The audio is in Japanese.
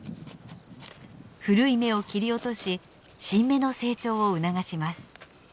古い芽を切り落とし新芽の成長を促します。